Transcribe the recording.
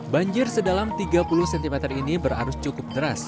banjir sedalam tiga puluh cm ini berarus cukup deras